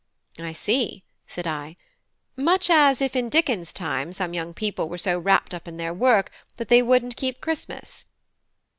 "I see," said I, "much as if in Dickens's time some young people were so wrapped up in their work that they wouldn't keep Christmas."